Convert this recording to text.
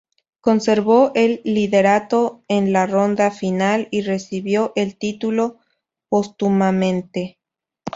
Conservó el liderato en la ronda final y recibió el título póstumamente.